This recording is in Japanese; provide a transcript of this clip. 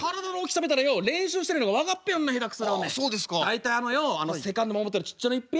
「大体あのよセカンド守ってるちっちゃなのいっぺ」。